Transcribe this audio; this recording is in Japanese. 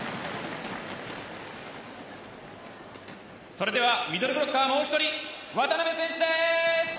それではミドルブロッカーもう１人渡邊選手です。